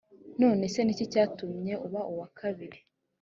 none se ni iki cyatumye uba uwakabiri